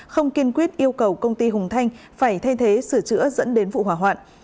không kiên quyết yêu cầu công ty hùng thanh phải thay thế sửa chữa dẫn đến vụ hỏa hoạn